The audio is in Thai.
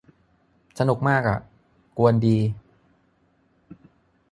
สนุกมากอะ กวนดี